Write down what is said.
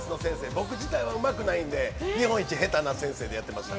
僕自体はうまくないんで、日本一下手な先生でやってました。